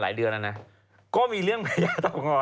ปลาหมึกแท้เต่าทองอร่อยทั้งชนิดเส้นบดเต็มตัว